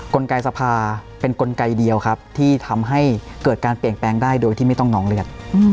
กลไกสภาเป็นกลไกเดียวครับที่ทำให้เกิดการเปลี่ยนแปลงได้โดยที่ไม่ต้องนองเลือด